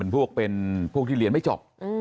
พวกเป็นพวกที่เรียนไม่จบ